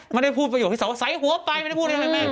ไม่ได้พูดประโยคที่สาวใส่หัวไปไม่ได้พูดอะไรแม่